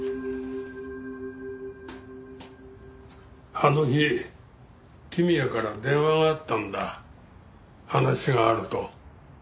あの日公也から電話があったんだ話があると。